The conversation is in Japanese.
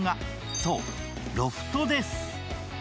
そう、ロフトです。